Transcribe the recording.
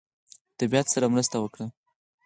طبیعت سره مرسته وکړه.